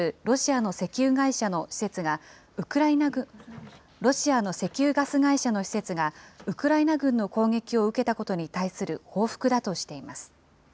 黒海にあるロシアの石油ガス会社の施設が、ウクライナ軍の攻撃を受けたことに対する報復だとしています。